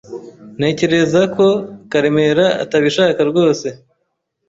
Ntekereza ko Karemera atabishaka rwose.